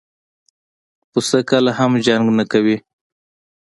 پسه کله هم جنګ نه کوي.